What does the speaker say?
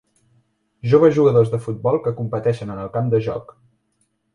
Joves jugadors de futbol que competeixen en el camp de joc.